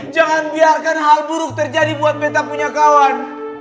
jangan biarkan hal buruk terjadi buat peta punya kawan